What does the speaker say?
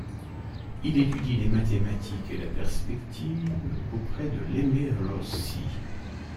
Il étudie les mathématiques et la perspective auprès de Lemme Rossi.